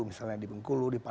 misalnya di bengkulu di palu